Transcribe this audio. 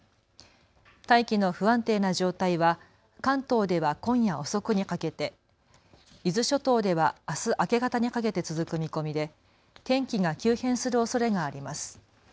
大気の不安定な状態は関東では今夜遅くにかけて伊豆諸島ではあす明け方にかけて続く見込みで天気が急変するおそれがあります。